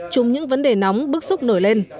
chung những vấn đề nóng bức xúc nổi lên